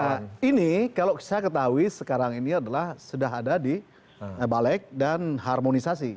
nah ini kalau saya ketahui sekarang ini adalah sudah ada di balik dan harmonisasi